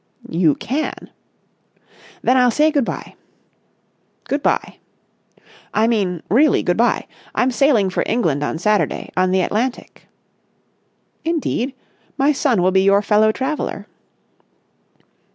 "You can!" "Then I'll say good bye." "Good bye." "I mean really good bye. I'm sailing for England on Saturday on the 'Atlantic.'" "Indeed? My son will be your fellow traveller."